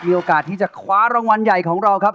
มีโอกาสที่จะคว้ารางวัลใหญ่ของเราครับ